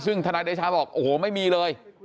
ซึ่งธนายเดชาบอกโอ้โหไม่มีเลย